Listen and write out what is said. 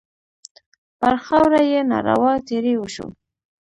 پر خاوره یې ناروا تېری وشو.